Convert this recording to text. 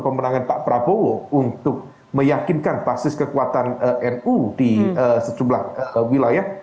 pemenangan pak prabowo untuk meyakinkan basis kekuatan nu di sejumlah wilayah